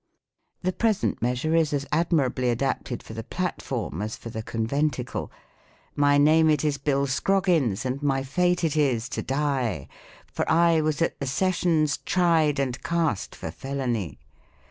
The present measure is as admirably adapted for the Platform as for the Conventicle. *' My name it is Bill ScrogginSj and my fate it is to die, For I was at the Sessions tried and cast for felony.